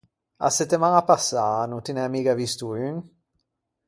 A settemaña passâ no ti n’æ miga visto un?